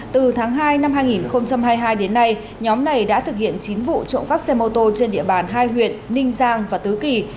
từ tháng hai năm hai nghìn hai mươi hai đến nay nhóm này đã thực hiện chín vụ trộm cắp xe mô tô trên địa bàn hai huyện ninh giang và tứ kỳ